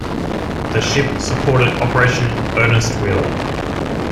The ship supported Operation Earnest Will.